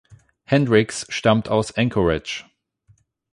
Hendrix stammt aus Anchorage.